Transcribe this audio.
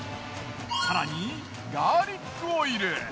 更にガーリックオイル。